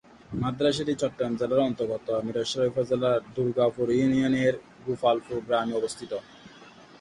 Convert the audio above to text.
মাদ্রাসাটি চট্টগ্রাম জেলার অন্তর্গত মীরসরাই উপজেলার দুর্গাপুর ইউনিয়নের গোপালপুর গ্রামে অবস্থিত।